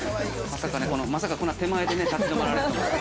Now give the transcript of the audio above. まさか、こんな手前で立ちどまられるとは。